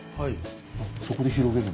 そこで広げる。